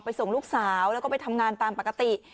ส่งลูกสาวแล้วก็ไปทำงานตามปกติ